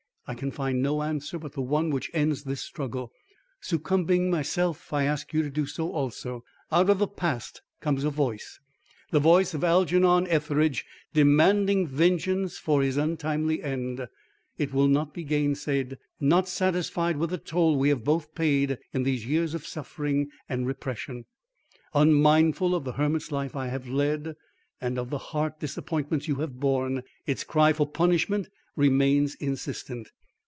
I can find no answer but the one which ends this struggle. Succumbing myself, I ask you to do so also. Out of the past comes a voice the voice of Algernon Etheridge, demanding vengeance for his untimely end. It will not be gainsaid. Not satisfied with the toll we have both paid in these years of suffering and repression, unmindful of the hermit's life I have led and of the heart disappointments you have borne, its cry for punishment remains insistent.